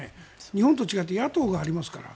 日本と違って野党がありますから。